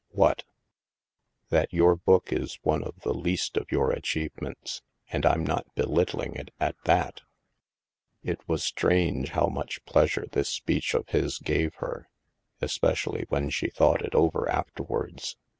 '' "What?" "That your book is one of the least of your achievements, and Fm not belittling it, at that." HAVEN 299 It was strange how much pleasure this speech of his gave her, especially when she thought it over, afterwards.